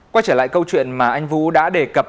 quay trở lại câu chuyện mà anh vũ đã đề cập